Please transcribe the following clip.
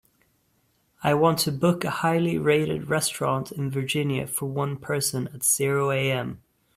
I want to book a highly rated restaurant in Virginia for one person at zero am.